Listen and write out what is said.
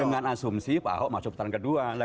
dengan asumsi pak ahok masuk putaran kedua